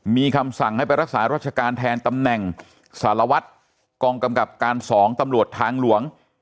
มีคำสั่งให้ไปรักษารัชการแทนตำแหน่งสารวัตรกองกำกับการ๒ตำรวจทางหลวง